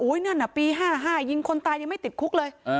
นั่นน่ะปี๕๕ยิงคนตายยังไม่ติดคุกเลย